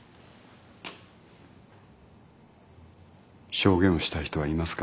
証言をしたい人はいますか。